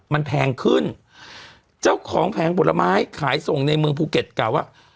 มันแพงขึ้นเจ้าของแผงผลไม้ขายส่งในเมืองภูเก็ตกล่าวว่า